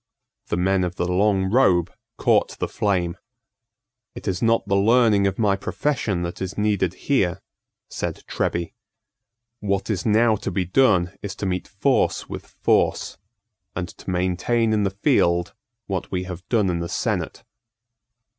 The men of the long robe caught the flame. "It is not the learning of my profession that is needed here," said Treby. "What is now to be done is to meet force with force, and to maintain in the field what we have done in the senate."